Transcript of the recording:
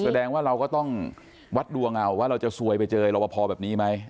แสดงว่าเราก็ต้องวัดดวงเอาว่าเราจะซวยไปเจอรอบพอแบบนี้ไหม